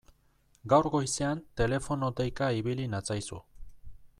Gaur goizean telefono deika ibili natzaizu.